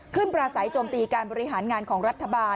ประสัยโจมตีการบริหารงานของรัฐบาล